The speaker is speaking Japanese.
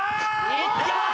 いったー！